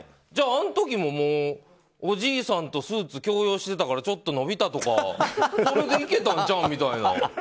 じゃああの時もおじいさんとスーツを共用してたからちょっと伸びたとかそれでいけたんちゃうのみたいな。